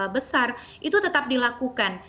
besar itu tetap dilakukan